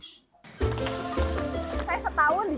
saya setahun di jayaraya akhirnya saya dipanggil ke platnas